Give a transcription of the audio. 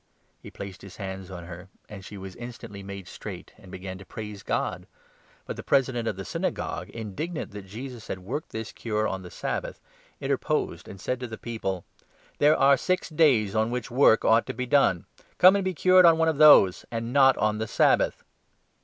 He placed his hands on her, and she was instantly made 13 straight, and began to praise God. But the President of the 14 Synagogue, indignant that Jesus had worked the cure on the Sabbath, interposed and said to the people :" There are six days on which work ought to be done ; come to be cured on one of those, and not on the Sabbath."